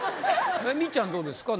ミッちゃんどうですか？